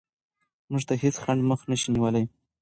موږ ته هېڅ خنډ مخه نشي نیولی.